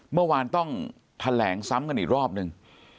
เมื่อวานต้องแถลงซ้ำกันอีกรอบนึง